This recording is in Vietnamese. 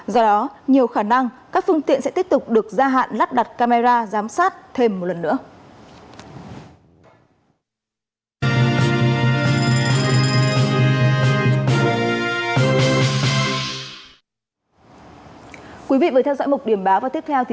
do đó nhiều khả năng các phương tiện sẽ tiếp tục được gia hạn lắp đặt camera giám sát thêm một lần nữa